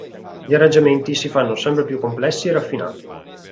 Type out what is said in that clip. Gli arrangiamenti si fanno sempre più complessi e raffinati.